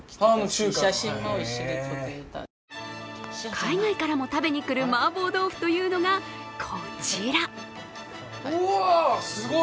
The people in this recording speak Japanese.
海外からも食べに来る麻婆豆腐というのがこちら。